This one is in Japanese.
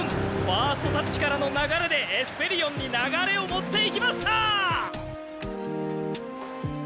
ファーストタッチからの流れでエスペリオンに流れを持っていきました！